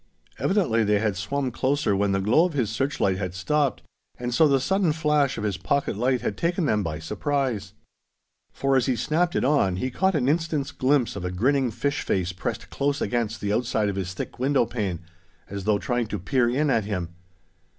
Evidently they had swum closer when the glow of his searchlight had stopped; and so the sudden flash of his pocket light had taken them by surprise. For, as he snapped it on, he caught an instant's glimpse of a grinning fish face pressed close against the outside of his thick window pane, as though trying to peer in at him.